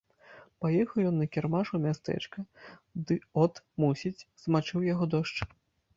Паехаў ён на кірмаш у мястэчка, ды от, мусіць, змачыў яго дождж.